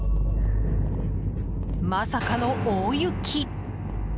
まさかの大雪！